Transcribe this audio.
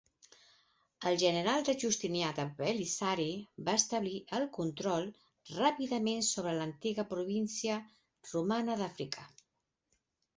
El general de Justinià Belisari va establir el control ràpidament sobre l'antiga província romana d'Àfrica.